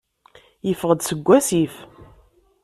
Yeffeɣ-d seg wasif.